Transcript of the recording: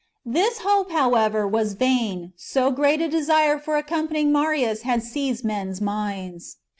This hope, however, was vain, so great a desire for accompanying Marius had seized men's minds.